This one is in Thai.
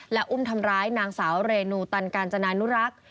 และอุ้มทำร้ายนางสาวเรนูตันกาญจนานุรักษ์